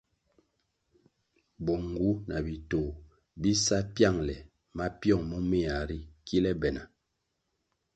Bo ngu na bitoh bi sa pyangʼle mapyong momea ri kile be na.